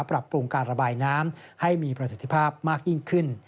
ปรับปรุงการระบายน้ำให้มีประสิทธิภาพมากยิ่งขึ้น